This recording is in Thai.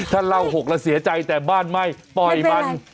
ถ้าเราหกแล้วเสียใจแต่บ้านไม่ปล่อยมัน